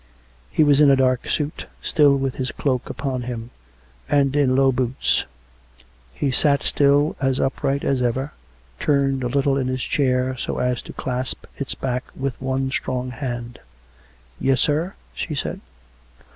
He was in a dark suit, still with his cloak upon him; and in low boots. He sat still as upright as ever, turned a little in his chair, so as to clasp its back with one strong hand. "Yes, sir?" she said.